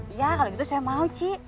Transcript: iya kalau gitu saya mau cik